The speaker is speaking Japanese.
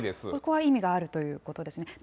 そこは意味があるということですね。